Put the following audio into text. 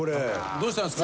どうしたんですか？